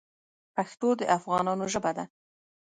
پښتو د افغانانو ژبه ده.